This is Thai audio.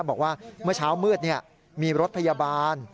บอกว่าเมื่อเช้ามืดมีรถพยาบาล